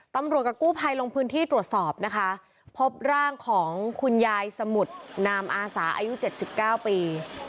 กับกู้ภัยลงพื้นที่ตรวจสอบนะคะพบร่างของคุณยายสมุทรนามอาสาอายุ๗๙ปี